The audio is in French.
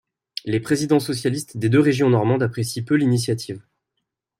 Les présidents socialistes des deux régions normandes apprécient peu l'initiative.